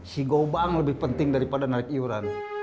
si gobang lebih penting daripada narik iuran